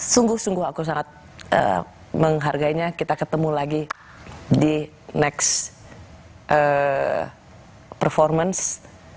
sungguh sungguh aku sangat menghargainya kita ketemu lagi di next performance